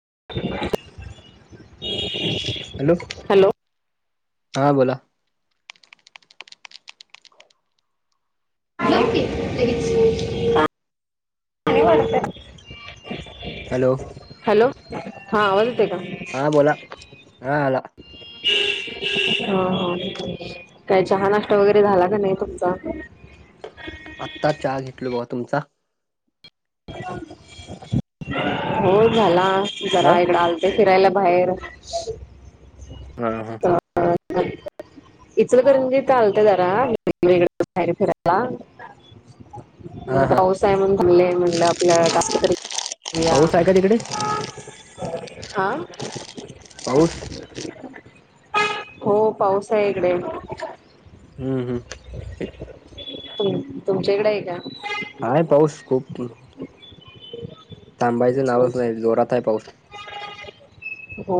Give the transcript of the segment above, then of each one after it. [unintelligible] Hello hello हा बोला लागकी हॅलो हॅलो हाज हा बोला हा आला ढडफण हा हा काय चहा नाष्ट्ता वगैरे झाला का नाही तुमचा आत्ता चहा घेतलो बाघ तुमचा हो झाला हा जरा इकडं आलते फिरायला बाहेर हम् हम हाा इचल करूनजी चालत जरा बाहेर फिरायला हा मग हा पाऊसा आहे म्हणले म्हणलं आपल्या जास्त तरी वया पाऊस आहे का तिकडे हा पाऊठ हो पाऊस आहे इकडे हम्म हम्म तुम तुमच्या इकडे आहे का हाय पाऊस खूप थांबायचं अच्छा नावच अच्छा नाही जोरात आहे पाऊस हो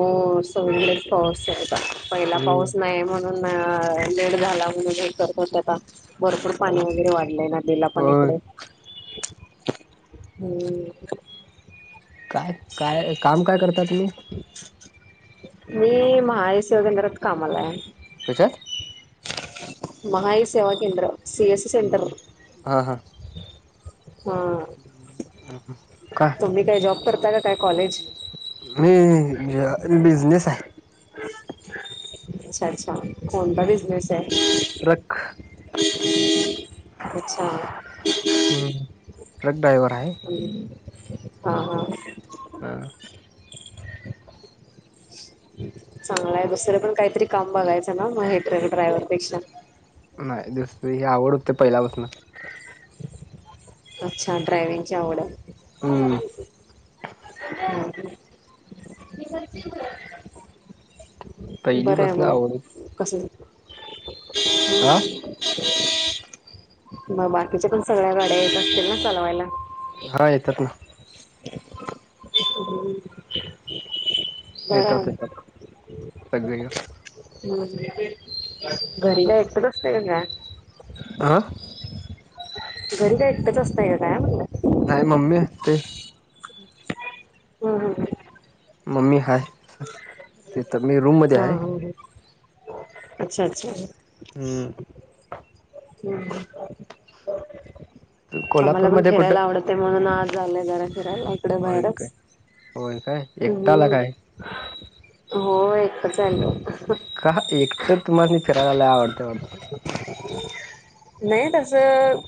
संदर पाऊसचा पहिला हम्म पाऊस नाही म्हण ूने झाला करतात भरपूर पाणी वगैरे वाढलंय नदीला पण होय इकडे ह् काय काय काम काय करता तुम्ही मी महा शिवा केंद्रात कामाला आहे कच्याात महाई सेवा केंद्र सी एस सी सेंटर. हम् हा हा. हा का तुम्ही काय जॉब करता का काय कॉलेज? मी ज बिझनेस आहे अच्छा अच्छा कोणता बिजनेस ट्रक अच्छा हम्म ट्रक ड्रायव्हर आहे हा हा हा चांगला आहे बसर पण काहीतरी काम बघायचं ना मग हे ड्रायव्हरपेक्षा नाही दुसरी ही आवडते पहिल्यापासून अच्छा ड्रायविंगची आवड हम्म हे म्ह पहिली बरं आहे पासन मग आवड कस आह म बाकीच्या पण सगळ्या गाड्या येत असतील ना चालवायला हा येतात ना बा स जा का ह घरी का ऐकतचते का का? आा घरी तर एकतच असतय का काय म्हणलं. नाही मम्मी ते हम् हम. मम्मी हाय तथ मी रूम मध्ये हां आहे. हां हां. अच्छा अच्छा. हम्. हम्म. आम्हाला पण कोल्हापूरमध्ये फिरायला कुठं आवडतते म्हणून आज झालंय जरा फिरायला इकडे बाहेरच हो काय एकटाला हम्म. काय? हो एकच आहे. का एकटं तुमला फिरागाला आवडते आडत. नाही तस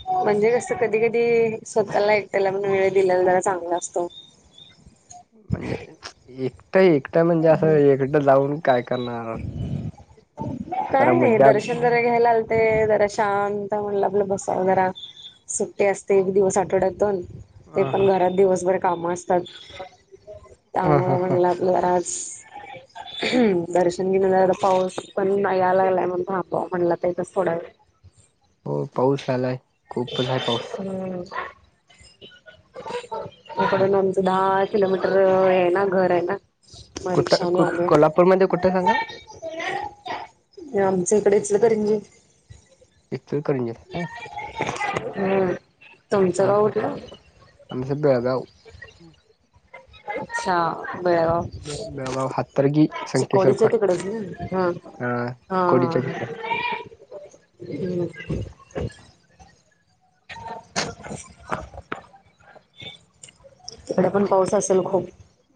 म्हणजे कस कधी कधी स्वतःला ऐटला म्हण वेळ दिलेला जरा चांग मस्त. म्हणजे एकटा एकटा म्हणजे असं एकटं जाऊन काय करणार? जरा काय नाही मज्जा दर्शन जरा घ्यायला. ते जरा शांत म्हणलं आपलं बसाव जरा सुट्टी असते एक दिवस आठवड्यात दोन. ह ते हा पण घरात दिवसभर काम असतात ह त्यामुळे ह ह म्हणला घरात.. दर्शन घेण्याला पाऊस पण नाही आला [unintelligible] हो पाऊस आलाय. खूपच आहे पाऊस हम् हम्म इकडून आमचं दहा किलोमीटर आहे ना घर आहे ना. कुठं मरीषाने कु आले कोल्हापूरमध्ये कुठं सांगा आमच.. [unintelligible] एकतर करून घेत काय? हम् तुमचं गाव उठलं. हो. अच्छा. बेळगाव बेळगाव हातर्गी संकेश्वर चिकोडीच कॉ तिकडे हा. हा कोडीच्या तिकडे ह. [unintelligible] तिकडे पण पाऊस असेल खूप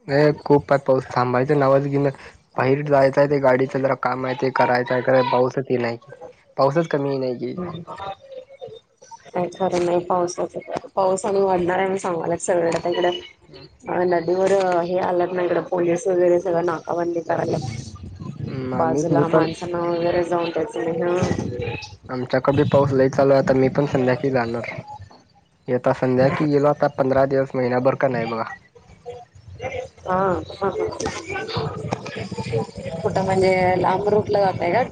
हे खूप पार पाऊस थांबायचं नावाच घिणा बाहेर जायचंय ते गाडीच जरा काम आहे ते करायचंय कराय पाऊस ते नाही की पाऊसच कमी येई नाय कीं. काय खरं नाही पावसाचं पावस आणि वाढणार आहे मी सांगायला सगळं. [inaudible] हे आलत नाही इकडं पोलीस वगैरे सगळं नाकाबंदी करायला. हम्म, आम्ही मी बाजूला पण माणसांना वगैरे जाऊन त्याच [unintelligible] आमच्याकड पाऊस लई चालू आता मी पण संध्याकाळी जाणार. येता संध्या कि गेलो आता पंधरा दिवस महिना्याभर का नाही बघा. हा कुठं म्हणजे लांब रूट ला जातय का?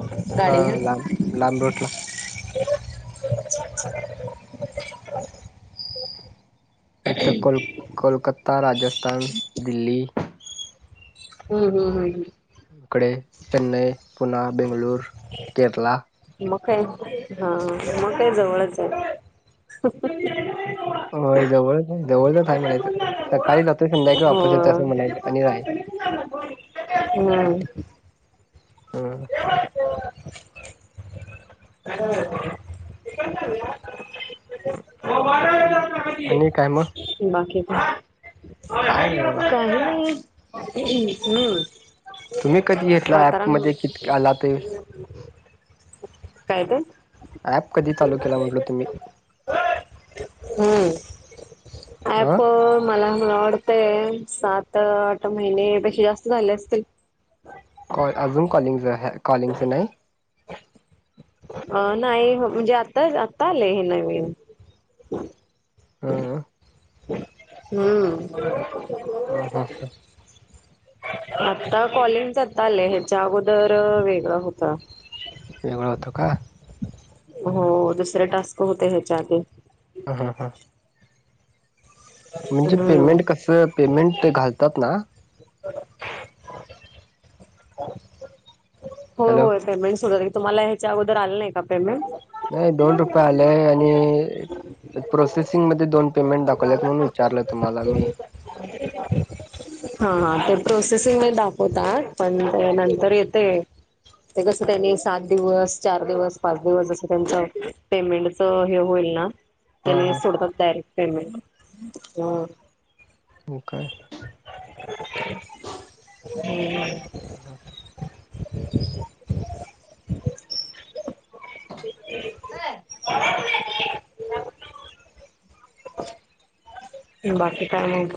हा गाडी घेऊन लांब लांब रूटला तर कोल कोलकत्याच्या राजस्थान दिल्ली.. हम्म हम्म हम् हम्. इकडे चेन्नई, पुना, बेंगलूर, केरला... म काय हा म काय जवळच आहे. होय जवळच आहे जवळच आहे म्हणायचं सकाळी लावतो संध्या किवा वापस येतो असं म्हणायचं आणि राय.. हम्. हा. रिकामा ऑडिओ रिकामा ऑडिओ आणि काय मग बाकी. काय नाही बघा काही नाही तुम्ही कधी घेतला ऍप मध्ये हमम. कित आला ते [inaudible] काय ते? ऍप कधी चालू केला म्हटल तुम्ही? हम्म. अ ऐप मला लोड.. ते सात आठ महिने पेक्षा जास्त झाले असतील. कॉल अजून कॉलिंग आहे कॉलिंगच नाही. अ नाही म्हणजे आता आता आले हे नवीन. हम्म हम्म. ह हा हा. आता कॉलिंगच आता आलंय ह्याच्या अगोदर वेगळं होत वेगळं होत का हो दुसरे टास्क होते ह्याच्या आधी ह ह ह म्हणजे हम्म पेमेंट कसं पेमेंट घालतात ना हो हॅलो होय पेमेंट वगैरे तुम्हाला ह्याच्या अगोदर आलं नाही का पेमेंट नाही दोन रुपये आलेय आणि प्रोसेसिंग मध्ये दोन पेमेंट दाखव म्हणुन विचारलं तुम्हाला मी प्रोसेसिंगमध्ये दाखवतात पण ते नंतर येतंय ते कस त्यांनी सात दिवस चार दिवस पाच दिवस जस त्यांच पेमेंटच हे होईल हा त्यानी हा सोडतात डायरेक्ट पेमेंट काय हा हा हा हं. [inaudible] बाकी काय मग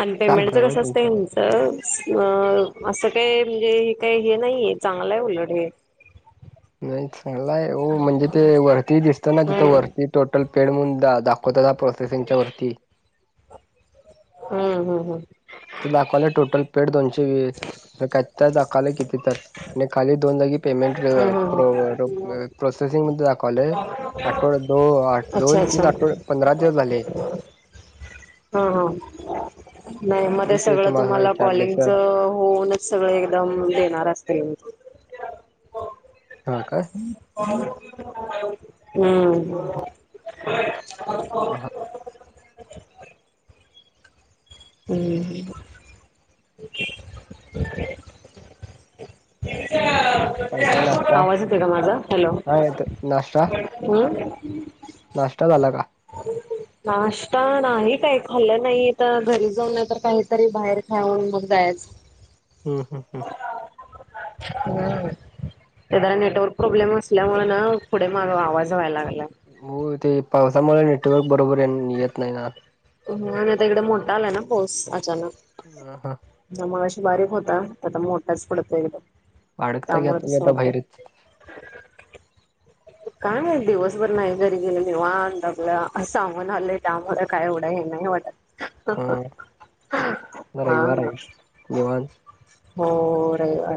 आणि काय पेमेंटच भाग कसं असतंय त्यांच्या ह्यचं. अ असं काय म्हणजे हे काही हे नाहीय चांगलंय उलट हे नाही चांगलाय हो म्हणजे ते वरती दिसत ना तिथं हम्म वरती टोटल पेड म्हणून. दाखव दाखवता ना प्रोसेसिंगच्या वरती हम्म हम्म हम्म तिथं दाखवलंय टोटल पेड दोनशे वीस काय तर दाखवलंय किती तर आणि खाली दोन जागी पेमेंट हम्म प्रो हम्म प्रोसेसिंग मध्ये दाखवलंय हम्म हम्म. आठवड्यात दोन दोन तीन आठवड पंधरा दिवस झाले हम्म हम्म नाही मग ते सगळं तुम्हाला कॉलिंगच होऊनच सगळं एकदम देणार असतील. हा काय हा हा हम्म हम्म हॅलो काय काय नाष्टा येतोय का माझा हॅलो काय आहे तर नाष्टा नाष्टा झाला का [inaudible] नाष्टा नाही काही खाल्लं नाही आता घरी जाऊन नाहीतर काहीतरी बाहेर खाऊन मग जायच [unintelligible] हम्म हम्म हम्म ते जरा नेटवर्क प्रॉब्लेम असल्यामुळ ना पुढे माग आवाज व्हायला लागला होय ते पावसामुळ नेटवर्क नेटवर्क बरोबर येत नाही ना होय आणि आता इकड मोठा आलाय ना पाऊस अचानक अ हा आता मगाशी बारीक होता होता आता मोठाच पडतोय एकदम अडकता घ्या त्यामुळे तुम्ही तसं आता होतंय. बाहेरच काय नाही दिवसभर नाही घरी गेल निवांत आपलं अस सांगून आलोय त्यामुळं काय एवढं हे नाही नाही वाटत हा हा रविवार हा आहे निवांत. हो रविवार हाय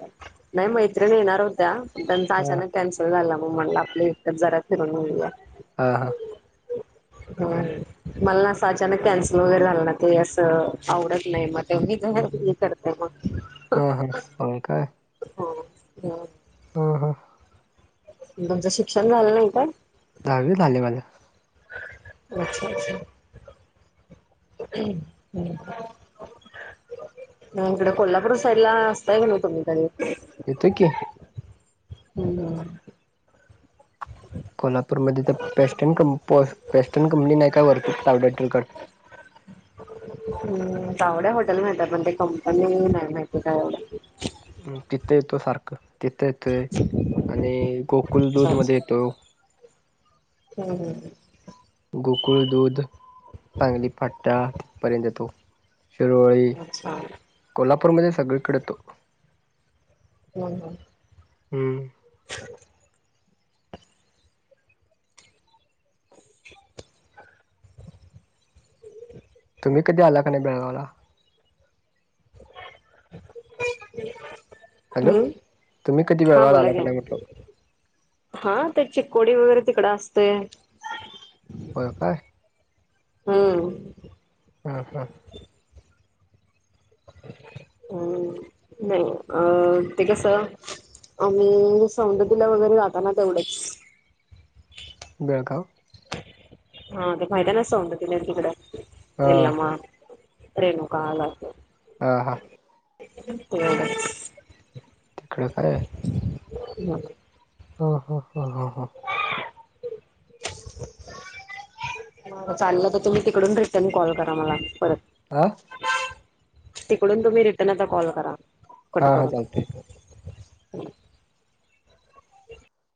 नाही मैत्रिणी येणार होत्या त्यांचा हा अचानक कॅन्सल झाला मग म्हणलं आपल एकटंच जरा फिरून येऊया. हा हा हम्म मला ना असं अचानक कॅन्सल वगैरे झालं ना ते असं आवडत नाही मग मी ते [unintelligible] करते मग हा हा, होय काय? हो बर हा हा तुमचं शिक्षण झालं नाही काय? दहावी झालय माझं अच्छा अच्छा नाही, इकड कोल्हापूर साईड ला असताय का नाही तुम्ही कधी? येतोय की हम हम कोल्हापूर मध्ये तर पेस्टन कंपोस्ट पेस्टन कंपनी नाही काय वरती तावड हॉटेलकड [inaudible] तावडे हॉटेल माहिती आहे पण ते कंपनी नाही माहिती काय एवढ. तिथे येतो सारखं तिथे येतोय आणि गोकुळदूध मध्ये अच्छा येतो. होय गोकुळ दूध सांगली फाट्टा तिथपर्यंत येतो. शिरोळी, अच्छा हम्म कोल्हापूर मध्ये सगळीकडे येतो. हम्म हम्म [inaudible] तुम्ही कधी आला क नाही बेळगावला [unintelligible] ह हॅलो तुम्ही कधी हां बेळगावला बोला आला का की नाही म्हटलं हा तर चिकोडी वगैरे तिकड असतय बय काय? हम हम हा अ नाही अ ते कसं आम्ही सौंदतीला वगैरे जाताना तेवढेच बेळगाव हा मैदान अस उड दि त कड हा एल म रेनुकाल अस हा हा क [inaudible] तिकडं काय आहे हम हा हा हा हा हा तरथ चाललं तर तुम्ही तिकडून रिटर्न कॉल करा मला परत आ तिकडून तुम्ही रिटर्न आता कॉल करा कट हा हा करून चालतंय. ह